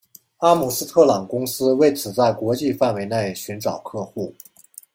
阿姆斯特朗公司为此在国际范围内寻找客户。